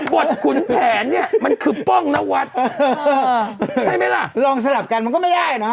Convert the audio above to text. ขุนแผนเนี่ยมันคือป้องนวัดใช่ไหมล่ะลองสลับกันมันก็ไม่ได้เนอะ